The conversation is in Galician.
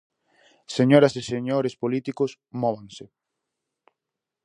Señoras e señores políticos, móvanse!